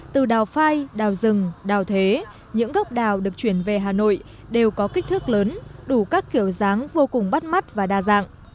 từ đào phai đào rừng đào thế những gốc đào được chuyển về hà nội đều có kích thước lớn đủ các kiểu dáng vô cùng bắt mắt và đa dạng